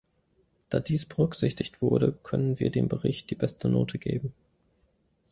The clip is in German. Da dies berücksichtigt wurde, können wir dem Bericht die beste Note geben.